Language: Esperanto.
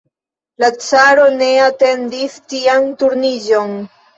La caro ne atendis tian turniĝon.